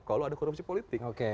kalau ada korupsi politik